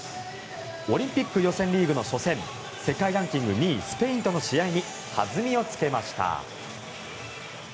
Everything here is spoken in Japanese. オリンピック予選リーグの初戦世界ランキング２位スペインとの試合に弾みをつけました。